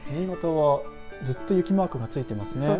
新潟はずっと雪マークがついてますね。